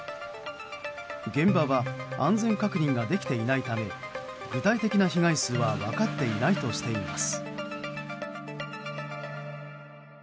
現場は安全確認ができていないため具体的な被害数は分かっていないとしています。